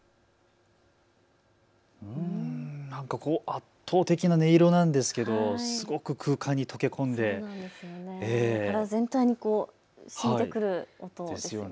圧倒的な音色なんですけどすごく空間に溶け込んで体全体にしみてくる音ですよね。